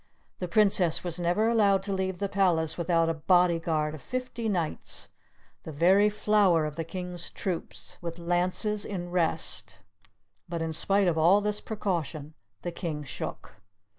The Princess was never allowed to leave the palace without a body guard of fifty knights, the very flower of the King's troops, with lances in rest, but in spite of all this precaution, the King shook.